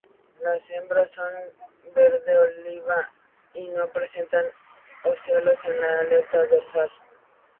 Las hembras son verde oliva y no presentan ocelos en la aleta dorsal.